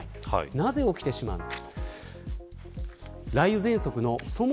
なぜ起きてしまうのか。